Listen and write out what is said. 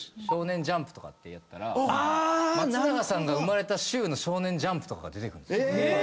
『少年ジャンプ』とかってやったら松永さんが生まれた週の『少年ジャンプ』が出てくるんですよ。